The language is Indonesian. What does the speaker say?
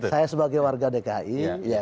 saya sebagai warga dki